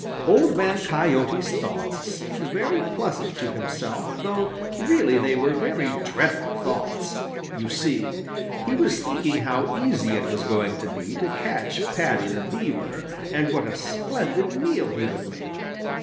Old Man Coyote's thoughts seemed very pleasant to himself, though really they were very dreadful thoughts. You see, he was thinking how easy it was going to be to catch Paddy the Beaver, and what a splendid meal he would make.